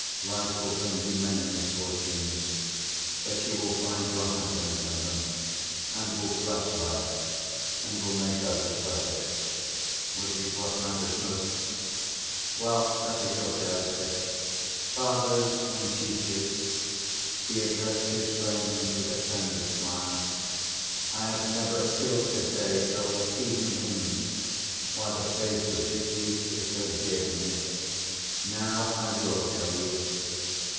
Life will bring you many misfortunes, but you will find your happiness in them, and will bless life and will make others bless it—which is what matters most. Well, that is your character. Fathers and teachers," he addressed his friends with a tender smile, "I have never till to‐day told even him why the face of this youth is so dear to me. Now I will tell you.